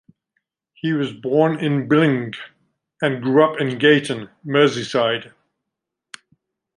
He was born in Billinge, and grew up in Gayton, Merseyside.